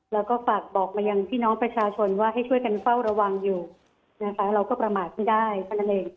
แล้วก็ฝากบอกมายังพี่น้องประชาชนว่าให้ช่วยกันเฝ้าระวังอยู่นะคะเราก็ประมาทไม่ได้เท่านั้นเอง